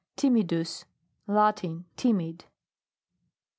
TIMIDUS Latin. Timid.